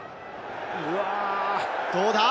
どうだ？